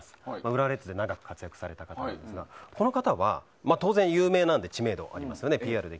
浦和レッズで長く活躍された方なんですがこの方は当然有名なので知名度がありますよね。